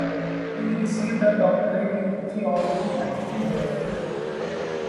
He received a doctorate in theology at Freiburg.